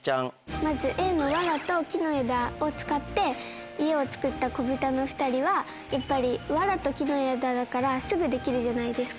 まずＡのわらと木の枝を使って家を造ったこぶたの２人はやっぱりわらと木の枝だからすぐできるじゃないですか。